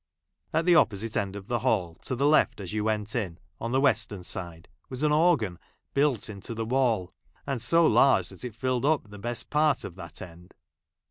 At the opposite end of the hall, to the left as you went in — on the western side — was an organ built into the wall, and so large that it filled up the best part of that end.